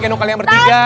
gendong kalian bertiga